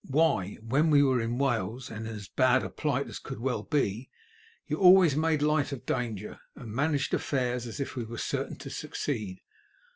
Why, when we were in Wales, and in as bad a plight as could well be, you always made light of danger, and managed affairs as if we were certain to succeed.